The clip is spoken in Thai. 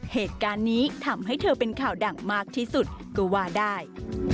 เหตุการณ์นี้ทำให้เธอเป็นข่าวดังมากที่สุดก็ว่าได้